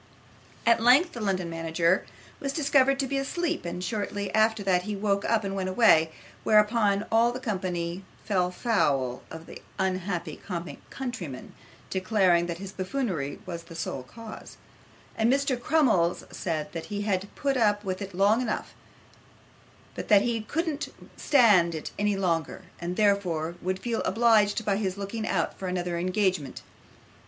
At length the London manager was discovered to be asleep, and shortly after that he woke up and went away, whereupon all the company fell foul of the unhappy comic countryman, declaring that his buffoonery was the sole cause; and Mr. Crummles said, that he had put up with it a long time, but that he really couldn't stand it any longer, and therefore would feel obliged by his looking out for another engagement.